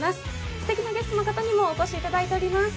ステキなゲストの方にもお越しいただいています。